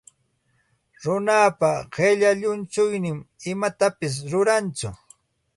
Runapa qilla llunchuynin imatapis rurantsu.